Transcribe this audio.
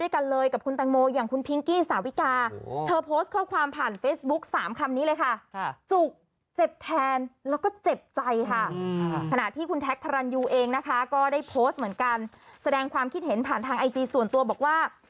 ก็ได้โพสต์เหมือนกันแสดงความคิดเห็นผ่านทางไอจีส่วนตัวบอกว่า